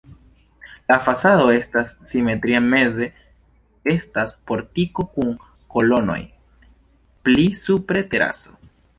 La fasado estas simetria, meze estas portiko kun kolonoj, pli supre teraso.